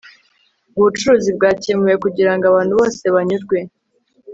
ubucuruzi bwakemuwe kugirango abantu bose banyurwe